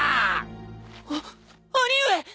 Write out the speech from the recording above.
あっ兄上！